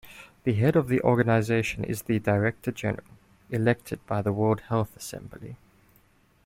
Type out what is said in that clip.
The head of the organisation is the Director-General, elected by the World Health Assembly.